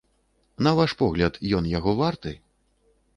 На ваш погляд, ён яго варты?